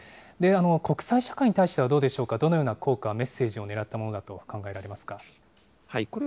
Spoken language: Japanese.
国際社会に対してはどうでしょうか、どのような効果、メッセージをねらったものだと考えられます